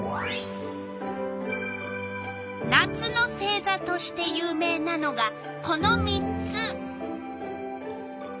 夏の星座として有名なのがこの３つ。